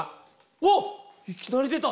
わっいきなり出た！